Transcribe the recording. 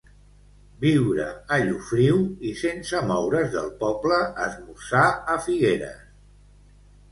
Viure a Llofriu; i sense moure's del poble, esmorzar a Figueres.